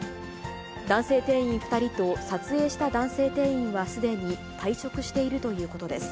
男性店員２人と撮影した男性店員は、すでに退職しているということです。